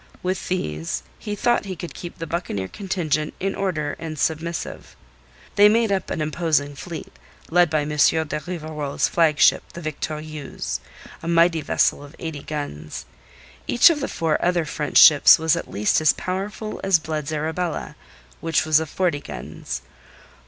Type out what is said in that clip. With these he thought he could keep the buccaneer contingent in order and submissive. They made up an imposing fleet, led by M. de Rivarol's flagship, the Victorieuse, a mighty vessel of eighty guns. Each of the four other French ships was at least as powerful as Blood's Arabella, which was of forty guns.